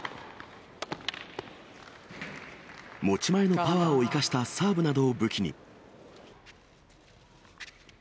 持ち前のパワーを生かしたサーブなどを武器に。